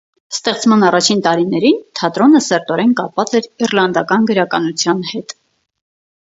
Ստեղծման առաջին տարիներին թատրոնը սերտորեն կապված էր իռլանդական գրականության հետ։